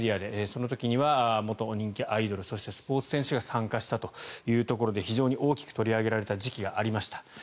その時には元人気アイドルそしてスポーツ選手が参加したというところで非常に大きく取り上げられた時期がありました。